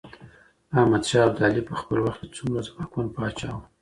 احمد شاه ابدالي په خپل وخت کي څومره ځواکمن پاچا و؟